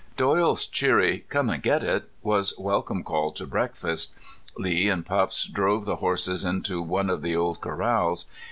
Doyle's cheery: "Come and get it," was welcome call to breakfast. Lee and Pups drove the horses into one of the old corrals.